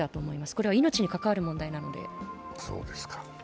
これは命に関わる問題なので。